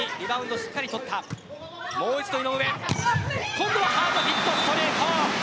今度はハードヒットストレート。